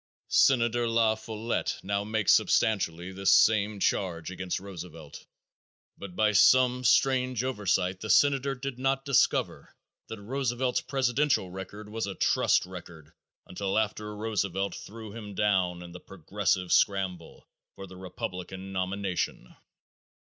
_ Senator La Follette now makes substantially this same charge against Roosevelt, but by some strange oversight the senator did not discover that Roosevelt's presidential record was a trust record until after Roosevelt threw him down in the "Progressive" scramble for the Republican nomination.